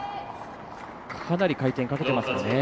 かなり回転かけてますね。